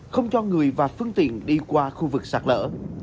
không cho người và phương tiện đi qua khu vực sạt lở